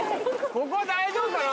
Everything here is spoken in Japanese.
ここ大丈夫かな？